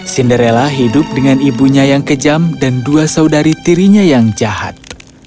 cinderella hidup dengan ibunya yang kejam dan dua saudari tirinya yang jahat